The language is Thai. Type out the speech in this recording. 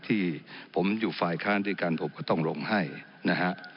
ที่ผมอยู่ฝ่ายค้านด้วยกันผมก็ต้องลงให้นะฮะ